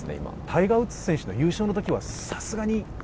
◆タイガー・ウッズ選手の優勝のときは、さすがに。